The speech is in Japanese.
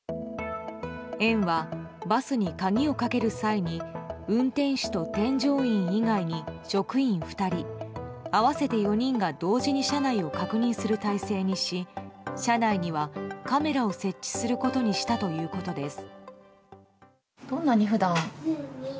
園は、バスに鍵をかける際に運転手と添乗員以外に職員２人、合わせて４人が同時に車内を確認する体制にし車内にはカメラを設置することにしたということです。